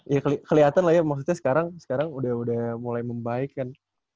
ya kelihatan lah ya maksudnya sekarang sekarang udah mulai membaik kan